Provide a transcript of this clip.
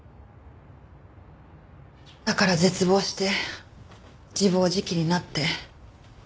だから絶望して自暴自棄になって。